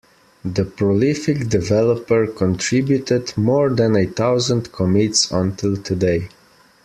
The prolific developer contributed more than a thousand commits until today.